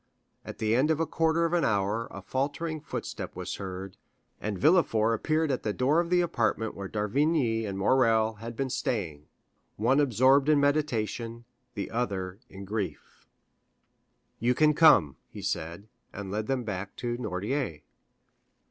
At the end of a quarter of an hour a faltering footstep was heard, and Villefort appeared at the door of the apartment where d'Avrigny and Morrel had been staying, one absorbed in meditation, the other in grief. "You can come," he said, and led them back to Noirtier.